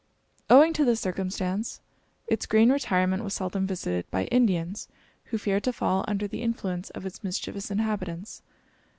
Owing to this circumstance, its green retirement was seldom visited by Indians, who feared to fall under the influence of its mischievous inhabitants.